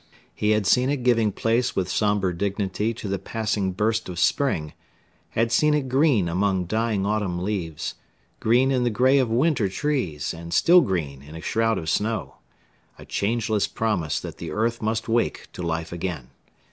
He had seen it giving place with sombre dignity to the passing burst of spring had seen it green among dying autumn leaves, green in the gray of winter trees and still green in a shroud of snow a changeless promise that the earth must wake to life again.